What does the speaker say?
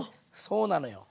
そうなのよ。